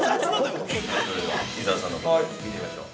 ◆それでは、伊沢さんの答え見てみましょう。